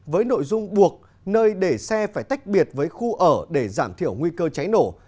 với nội dung buộc nơi để xe phải tách biệt với khu ở để giảm thiểu nguy cơ cháy nổ